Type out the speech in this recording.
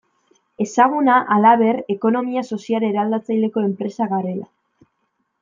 Ezaguna, halaber, ekonomia sozial eraldatzaileko enpresa garela.